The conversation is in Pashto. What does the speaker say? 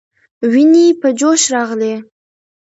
ويني په جوش راغلې.